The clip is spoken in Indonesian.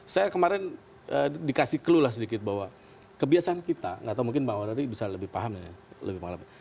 saya kemarin dikasih clue lah sedikit bahwa kebiasaan kita nggak tahu mungkin mbak warari bisa lebih paham ya lebih malam